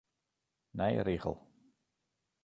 Nije rigel.